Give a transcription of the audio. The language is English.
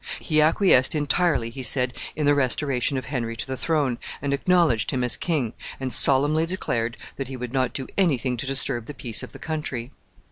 He acquiesced entirely, he said, in the restoration of Henry to the throne, and acknowledged him as king, and solemnly declared that he would not do any thing to disturb the peace of the country.